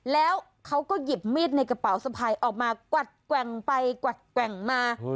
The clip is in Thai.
แล้วเขาก็หยิบมีดในกระเป๋าสะพายออกมากวัดแกว่งไปกวัดแกว่งมา